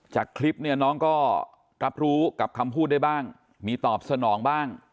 จากคลิปเนี่ยน้องก็รับรู้กับคำพูดได้บ้างมีตอบสนองบ้าง